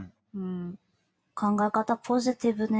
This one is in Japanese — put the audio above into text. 考え方ポジティブね。